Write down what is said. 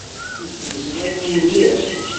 Icmet wayenni mliḥ.